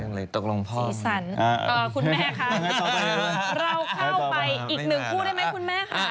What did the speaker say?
ตกลงพ่อสีสันคุณแม่คะเราเข้าไปอีกหนึ่งคู่ได้ไหมคุณแม่ค่ะ